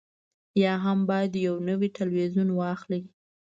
یا هم باید یو نوی تلویزیون واخلئ